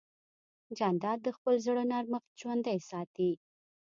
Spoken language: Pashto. جانداد د خپل زړه نرمښت ژوندی ساتي.